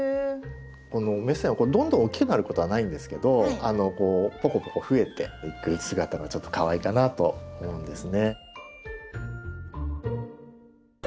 このメセンはどんどん大きくなることはないんですけどこうポコポコ増えていく姿がちょっとかわいいかなと思うんですね。